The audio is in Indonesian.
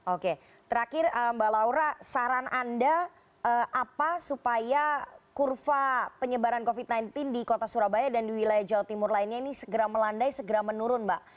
oke terakhir mbak laura saran anda apa supaya kurva penyebaran covid sembilan belas di kota surabaya dan di wilayah jawa timur lainnya ini segera melandai segera menurun mbak